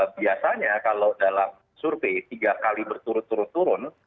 biasanya kalau dalam survei tiga kali berturut turut turun